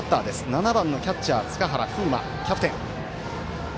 ７番のキャッチャー、塚原歩生真キャプテン。